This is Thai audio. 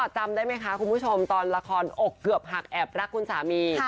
จำได้ไหมคะคุณผู้ชมตอนละครอกเกือบหักแอบรักคุณสามี